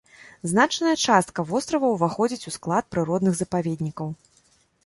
Значная частка вострава ўваходзіць у склад прыродных запаведнікаў.